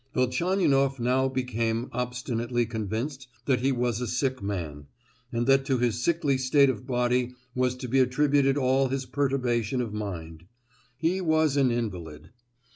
Velchaninoff now became obstinately convinced that he was a sick man, and that to his sickly state of body was to be attributed all his perturbation of mind. He was an invalid.